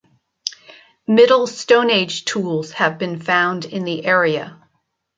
Middle stone age tools have been found in the area.